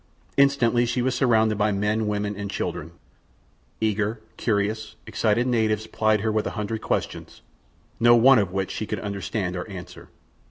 Instantly she was surrounded by men, women, and children. Eager, curious, excited natives plied her with a hundred questions, no one of which she could understand or answer.